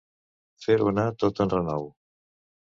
Fer-ho anar tot en renou.